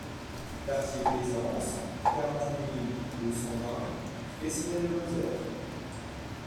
Quartier Plaisance, quarante-huit mille deux cent vingt Fraissinet-de-Lozère